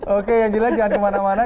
oke yang jelas jangan kemana mana